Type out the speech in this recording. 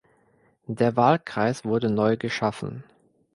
Der Wahlkreis wurde neu geschaffen.